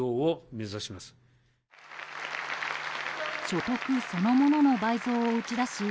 所得そのものの倍増を打ち出し